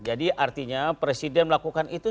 jadi artinya presiden melakukan itu